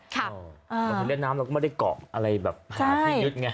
บางทีเล่นน้ำเราก็ไม่ได้เกาะอะไรแบบหาที่ยึดไง